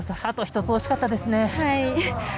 あと１つ惜しかったですね。